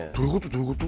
どういうこと？